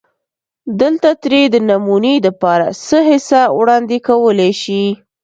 دلته ترې دنمونې دپاره څۀ حصه وړاندې کولی شي